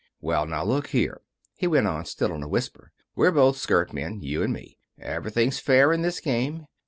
"Well, now, look here," he went on, still in a whisper. "We're both skirt men, you and me. Everything's fair in this game.